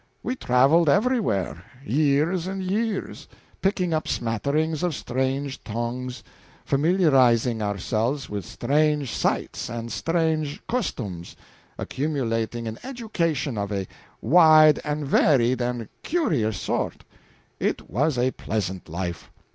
We traveled everywhere years and years picking up smatterings of strange tongues, familiarizing ourselves with strange sights and strange customs, accumulating an education of a wide and varied and curious sort. It was a pleasant life.